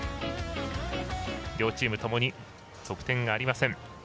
両チームともに得点がありません。